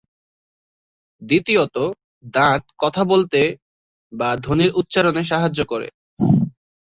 দ্বিতীয়ত, দাঁত কথা বলতে বা ধ্বনির উচ্চারণে সাহায্য করে।